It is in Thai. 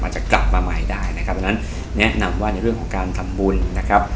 จะกลับมาใหม่ได้นะครับดังนั้นแนะนำว่าในเรื่องของการทำบุญนะครับ